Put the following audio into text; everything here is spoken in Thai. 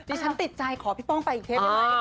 ฉันติดใจขอพี่ป้องไปอีกเทปได้ไหม